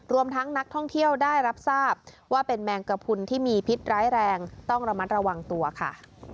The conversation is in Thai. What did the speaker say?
รวมทั้งนักท่องเที่ยวได้รับทราบว่าเป็นแมงกระพุนที่มีพิษร้ายแรงต้องระมัดระวังตัวค่ะ